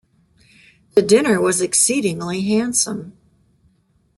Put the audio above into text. The dinner was exceedingly handsome.